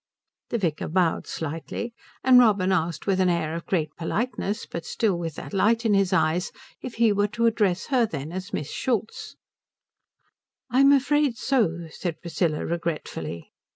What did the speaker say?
The vicar bowed slightly, and Robin asked with an air of great politeness but still with that light in his eyes if he were to address her, then, as Miss Schultz. "I'm afraid so," said Priscilla, regretfully.